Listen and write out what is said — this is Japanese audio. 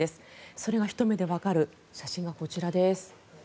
それがひと目でわかる写真がこちらです。